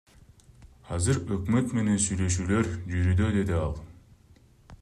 Азыр өкмөт менен сүйлөшүүлөр жүрүүдө, — деди ал.